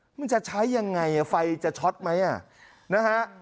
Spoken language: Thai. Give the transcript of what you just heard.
มันจะใช้ยังไงไฟจะช็อตไหมนะฮะ